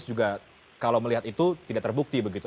juga kalau melihat itu tidak terbukti begitu